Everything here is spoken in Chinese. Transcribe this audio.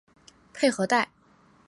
佩和代。